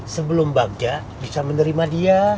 sebelum bagja bisa menerima dia